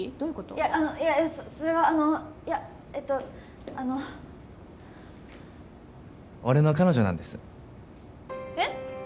いやあのそれはあのいやえっとあの俺の彼女なんですえっ